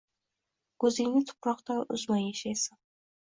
Ko’zingni tuproqdan uzmay yashaysan.